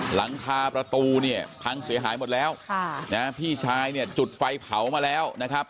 หลังคาประตูเนี่ยพังเสียหายหมดแล้วพี่ชายเนี่ยจุดไฟเผามาแล้วนะครับ